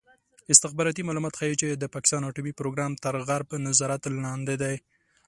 استخباراتي معلومات ښيي چې د پاکستان اټومي پروګرام تر غرب نظارت لاندې دی.